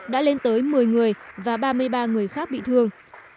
đã lên tới một mươi người và ba mươi ba người khác bị thương